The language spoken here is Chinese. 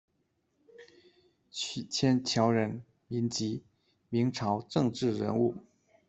曲迁乔人，民籍，明朝政治人物。